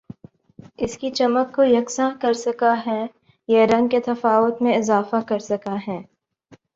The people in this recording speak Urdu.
اس کی چمک کو یکساں کر سکہ ہیں یا رنگ کے تفاوت میں اضافہ کر سکہ ہیں